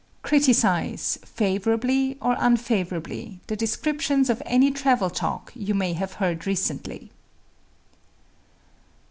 Criticise, favorably or unfavorably, the descriptions of any travel talk you may have heard recently.